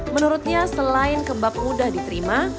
menurutnya selain kebab mudah diterima